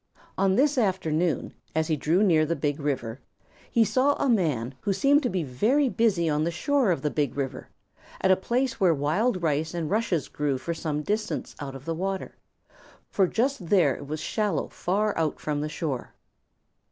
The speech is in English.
On this afternoon, as he drew near the Big River, he saw a man who seemed to be very busy on the shore of the Big River, at a place where wild rice and rushes grew for some distance out in the water, for just there it was shallow far out from the shore.